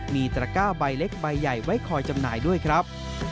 มีตระก้าใบเล็กใบใหญ่ไว้คอยจำหน่ายด้วยครับ